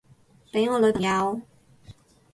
畀我女朋友